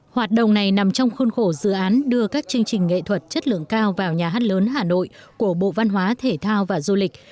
hoạt động này nằm trong khuôn khổ dự án đưa các chương trình nghệ thuật chất lượng cao vào nhà hát lớn hà nội của bộ văn hóa thể thao và du lịch